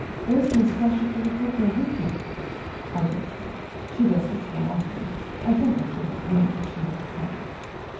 "Was Nastasia Philipovna with him?" "I don't know; she doesn't come often. I think I should have known if she had come."